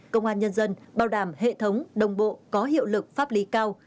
công an nhân dân bảo đảm hệ thống đồng bộ có hiệu lực pháp lý cao